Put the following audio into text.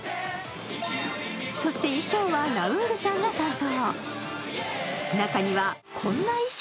そして衣装はラウールさんの担当。